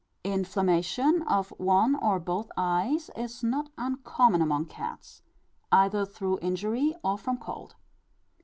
Inflammation of one or both eyes is not uncommon among cats, either through injury, or from cold.